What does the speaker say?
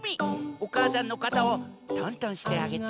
おかあさんのかたをとんとんしてあげて。